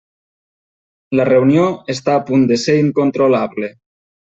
La reunió està a punt de ser incontrolable.